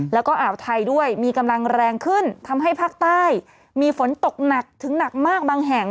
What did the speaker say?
แล้วก็อ่าวไทยด้วยมีกำลังแรงขึ้นทำให้ภาคใต้มีฝนตกหนักถึงหนักมากบางแห่ง